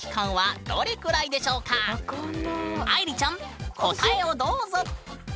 愛莉ちゃん答えをどうぞ！